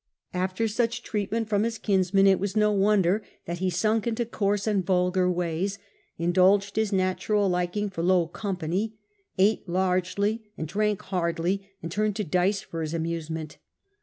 After such treatment from his kinsmen it was no wonder in coarse ^ that he sunk into coarse and vulgar ways, in ' dulged his natural liking for low company, ate largely and drank hardly, and turned to dice for his amusement.